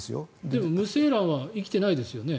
でも無精卵は生きてないですよね。